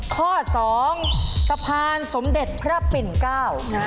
ข้อสองสะพานสมเด็จพระปิ่นเก้านะ